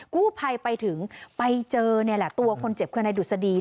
กู้ภัยไปถึงไปเจอนี่แหละตัวคนเจ็บคือนายดุษฎี